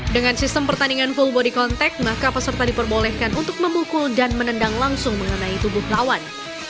dengan sistem pertandingan full body contact maka peserta diperbolehkan untuk memukul dan menendang langsung mengenai tubuh lawan